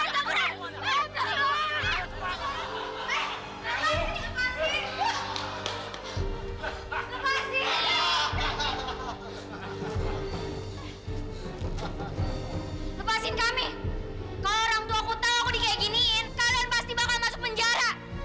kalau orangtuaku tahu aku di kaya giniin kalian pasti bakal masuk penjara